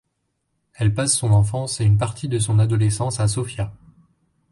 Elle passe son enfance et une partie de son adolescence à Sofia.